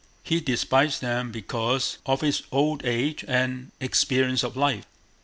He despised them because of his old age and experience of life.